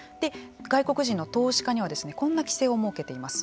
外国人の投資家にはこんな規制を設けています。